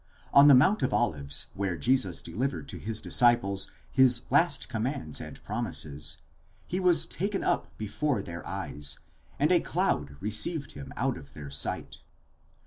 On the mount of Olives, where Jesus delivered to his disciples his last commands and promises, he was taken up before their eyes (ἐπήρθη), and a cloud received him out of their sight.